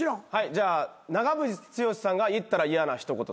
じゃあ長渕剛さんが言ったら嫌な一言とは。